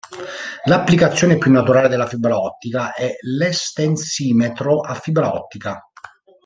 L'applicazione più naturale della fibra ottica è l'estensimetro a fibra ottica.